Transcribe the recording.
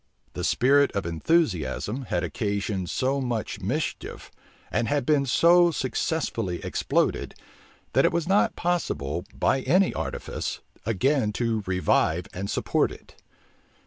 The spirit of enthusiasm had occasioned so much mischief, and had been so successfully exploded, that it was not possible, by any artifice, again to revive and support it.